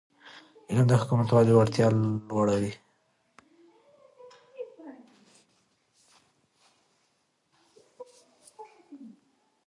علم د حکومتولی وړتیا لوړوي.